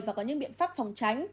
và có những biện pháp phòng tránh